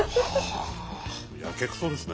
やけくそですね。